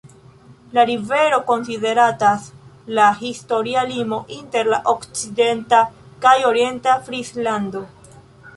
La rivero konsideratas la historia limo inter la okcidenta kaj orienta Frislando.